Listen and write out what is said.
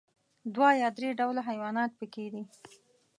دوه یا درې ډوله حيوانات پکې دي.